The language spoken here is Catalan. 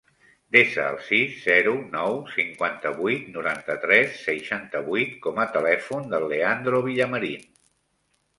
Desa el sis, zero, nou, cinquanta-vuit, noranta-tres, seixanta-vuit com a telèfon del Leandro Villamarin.